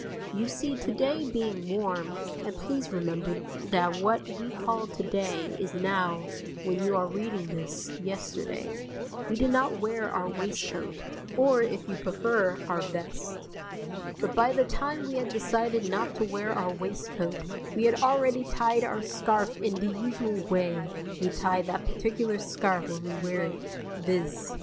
You see to day being warm (and please remember that what we call to day, is now, when you are reading this, yesterday) we did not wear our waistcoat, or, if you prefer, our vest; but by the time we had decided not to wear our waistcoat we had already tied our scarf in the usual way we tie that particular scarf when we wear it, viz.